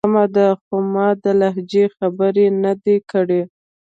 سمه ده. خو ما د لهجو خبره نه ده کړی.